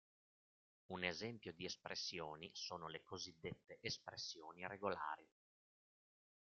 Un esempio di espressioni sono le cosiddette espressioni regolari.